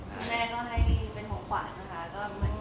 ก็มันจะให้เป็นไปก็มี